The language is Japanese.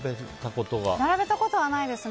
並べたことはないですね。